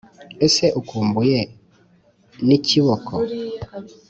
ese ukumbuye n’ikiboko?